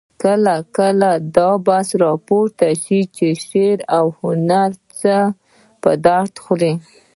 کله کله دا بحث راپورته شي چې شعر او هنر څه په درد خوري؟